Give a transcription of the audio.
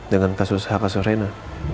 dengan kasus hak asur rena